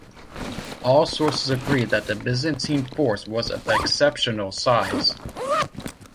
All sources agree that the Byzantine force was of exceptional size.